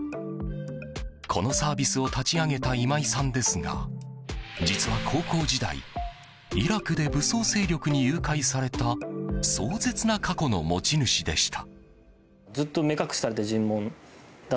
このサービスを立ち上げた今井さんですが実は高校時代イラクで武装勢力に誘拐された壮絶な過去の持ち主でした。